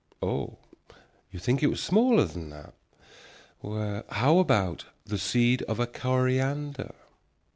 Oh, you think it was smaller than that? Well, how about the seed of a coriander?